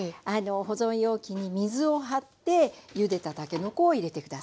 保存容器に水を張ってゆでたたけのこを入れて下さい。